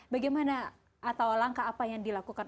bagaimana atau langkah apa yang dilakukan